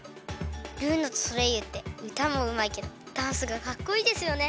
ルーナとソレイユってうたもうまいけどダンスがかっこいいですよね。